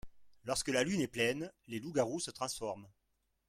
Lorsque la lune est pleine, les loups garous se transforment.